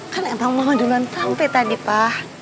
kan emang mama duluan sampe tadi pak